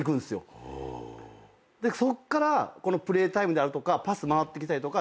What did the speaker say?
そっからプレータイムであるとかパス回ってきたりとか。